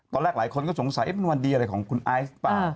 ตอนแรกหลายคนก็สงสัยมันวันดีอะไรของคุณไอซ์ป่ะ